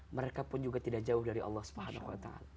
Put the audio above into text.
mereka pun juga tidak jauh dari allah swt